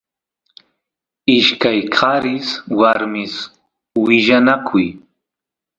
ishkay qaris warmis willanakuy